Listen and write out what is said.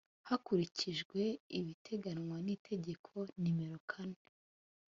hakurikijwe ibiteganywa n itegeko nimero kane